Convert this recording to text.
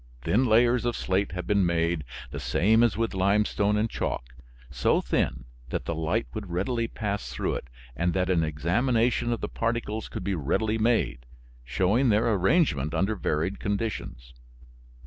Thin layers of slate have been made, the same as with limestone and chalk, so thin that the light would readily pass through it and that an examination of the particles could be readily made, showing their arrangement under varied conditions.